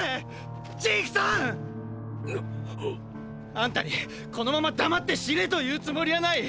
あんたにこのまま黙って死ねと言うつもりはない！！